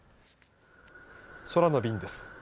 空の便です。